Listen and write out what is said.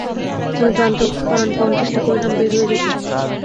আমি প্রাণপণ চেষ্টা করলাম বেরিয়ে যেতে।